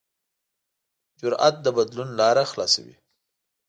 جرأت د بدلون لاره خلاصوي.